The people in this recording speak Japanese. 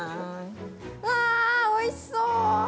うわ、おいしそう！